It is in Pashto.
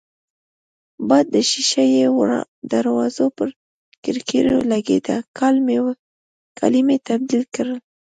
باد د شېشه يي دروازو پر کړکېو لګېده، کالي مې تبدیل کړل.